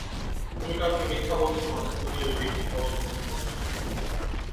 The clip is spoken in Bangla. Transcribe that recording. তুমি কাউকে মিথ্যা বলছ মানে তুমি ওই ব্যক্তিকে অসম্মান করছ।